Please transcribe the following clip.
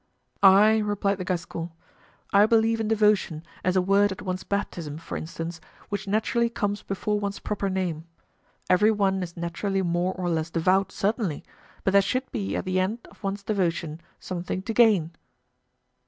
"I," replied the Gascon, "I believe in devotion as a word at one's baptism, for instance, which naturally comes before one's proper name; every one is naturally more or less devout, certainly; but there should be at the end of one's devotion something to gain."